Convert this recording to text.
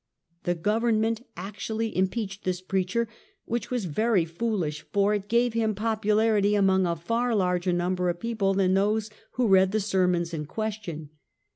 The government actually impeached this preacher, which was very foolish, for it gave him popularity among a far larger number of people than those who read the sermons in question.